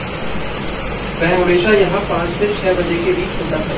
वह हमेशा यहाँ पाँच से छः बजे के बीच होता है।